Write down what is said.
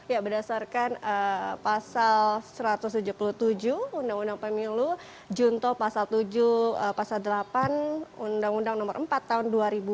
ya berdasarkan pasal satu ratus tujuh puluh tujuh undang undang pemilu junto pasal tujuh pasal delapan undang undang nomor empat tahun dua ribu dua